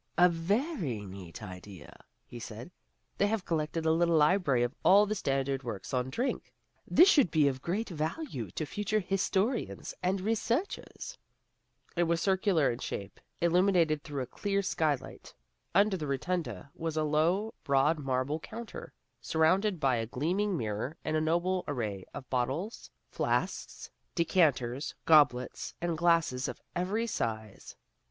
"A very neat idea," he said. "They have collected a little library of all the standard works on drink. This should be of great value to future historians and researchers." Through another swinging door they found the central shrine. It was circular in shape, illuminated through a clear skylight. Under the rotunda was a low, broad marble counter, surmounted by a gleaming mirror and a noble array of bottles, flasks, decanters, goblets and glasses of every size.